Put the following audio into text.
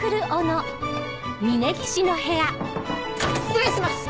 失礼します！